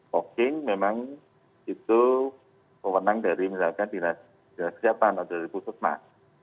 fogging memang itu kewenang dari misalkan dinas jatah atau dari khusus mas